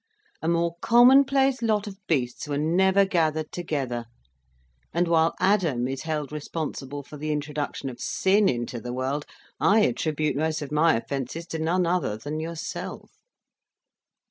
A more commonplace lot of beasts were never gathered together, and while Adam is held responsible for the introduction of sin into the world, I attribute most of my offences to none other than yourself."